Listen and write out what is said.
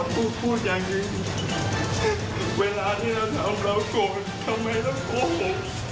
ทำไมต้องโกหก